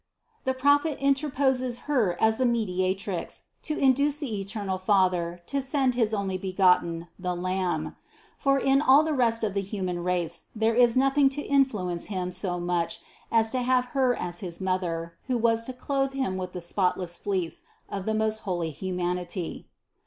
The prophet interposes Her as the Media trix, to induce the eternal Father to send his Onlybe gotten, the Lamb. For in all the rest of the human race there was nothing to influence Him so much as to have Her as his Mother, who was to clothe Him with the spotless fleece of the most holy humanity.